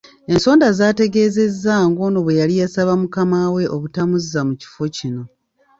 Ensonda zaategeezezza ng’ono bwe yali yasaba mukama we obutamuzza ku kifo kino.